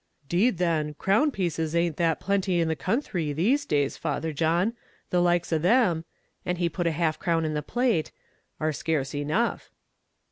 "'Deed then, crown pieces a'nt that plenty in the counthry, these days, Father John; the likes of them" and he put half a crown in the plate "are scarce enough."